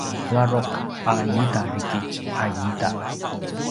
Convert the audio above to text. ladruq a ita drikitj a ita